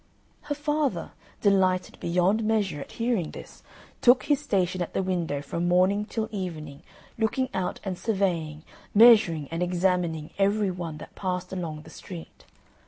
Her father, delighted beyond measure at hearing this, took his station at the window from morning till evening, looking out and surveying, measuring and examining every one that passed along the street.